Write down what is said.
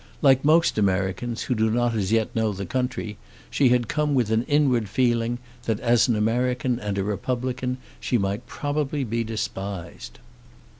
Like most Americans who do not as yet know the country, she had come with an inward feeling that as an American and a republican she might probably be despised.